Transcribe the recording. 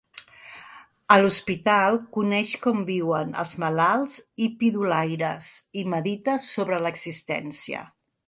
A l'hospital coneix com viuen els malalts i pidolaires i medita sobre l'existència.